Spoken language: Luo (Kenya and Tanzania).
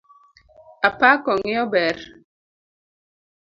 Apako ng'iyo ber.